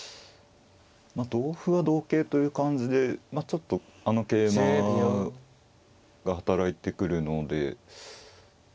同歩は同桂という感じでちょっとあの桂馬が働いてくるので。